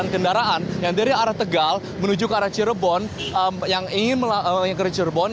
dan kendaraan yang dari arah tegal menuju ke arah cirebon yang ingin melalui ke cirebon